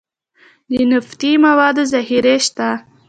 د نفتي موادو ذخیرې شته